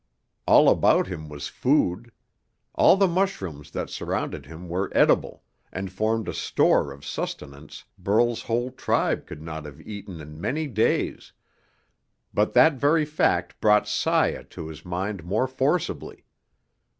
All about him was food. All the mushrooms that surrounded him were edible, and formed a store of sustenance Burl's whole tribe could not have eaten in many days, but that very fact brought Saya to his mind more forcibly.